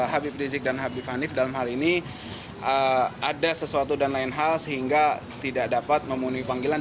habib rizik dan habib hanif dalam hal ini ada sesuatu dan lain hal sehingga tidak dapat memenuhi panggilan